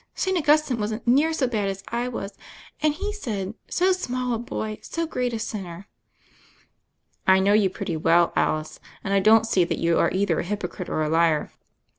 St. Augustine wasn't near so bad as I was: and he said, *So small a boy, so great a sinner.' " "I know you pretty well, Alice, and I don't see that you are either a hypocrite or a liar."